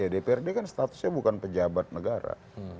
dprd kan statusnya bukan pejabat negara